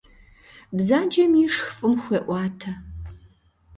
Бзаджэм ишх фӀым хуеӀуатэ.